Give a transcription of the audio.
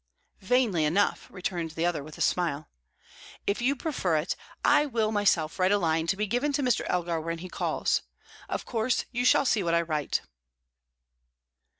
"Vainly enough," returned the other, with a smile. "If you prefer it, I will myself write a line to be given to Mr. Elgar when he calls. Of course, you shall see what I write."